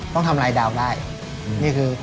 ตอนนี้เราใช้เบอร์๐๐๐